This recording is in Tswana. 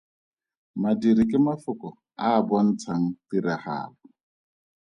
Madiri ke mafoko a a bontshang tiragalo.